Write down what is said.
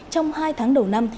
trong hai tháng đầu năm